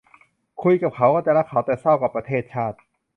คุยกับเขา ก็จะรักเขา แต่เศร้ากับประเทศชาติ